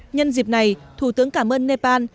nhân dịp này thủ tướng cảm ơn nepal